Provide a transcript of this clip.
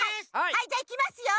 はいじゃあいきますよ！